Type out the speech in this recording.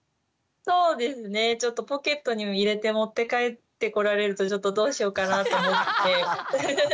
そうですねちょっとポケットに入れて持って帰ってこられるとちょっとどうしようかなと思って。